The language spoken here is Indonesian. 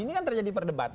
ini kan terjadi perdebatan